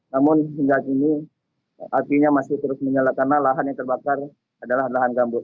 namun hingga kini apinya masih terus menyala karena lahan yang terbakar adalah lahan gambut